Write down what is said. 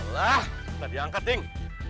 lah tadi angkat ding